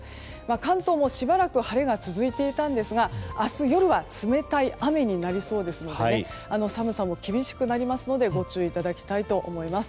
関東もしばらく晴れが続いていたんですが明日夜は冷たい雨になりそうですので寒さも厳しくなりますのでご注意いただきたいと思います。